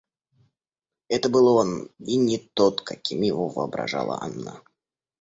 Это был он, и не тот, каким его воображала Анна.